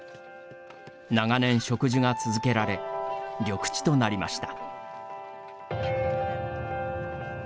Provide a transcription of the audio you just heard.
長年、植樹が続けられ緑地となりました。